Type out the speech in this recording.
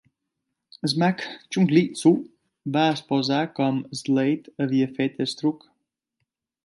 El mag Chung Ling Soo va exposar com Slade havia fet el truc.